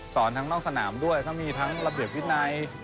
ทั้งนอกสนามด้วยทั้งมีทั้งระเบียบวินัย